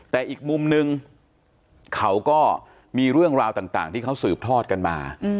แต่อีกมุมนึงเขาก็มีเรื่องราวต่างที่เขาสืบทอดกันมา